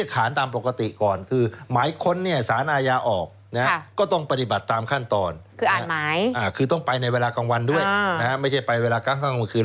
คือต้องไปในเวลากลางวันด้วยไม่ใช่ไปในเวลากลางวันคืน